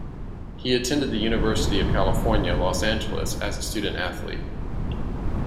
He attended the University of California, Los Angeles as a student athlete.